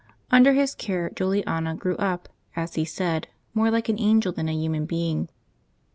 Under his care Juliana grew up, as he said, more like an angel than a human being.